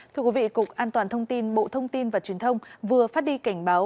thưa quý vị cục an toàn thông tin bộ thông tin và truyền thông vừa phát đi cảnh báo